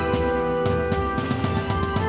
เมื่อ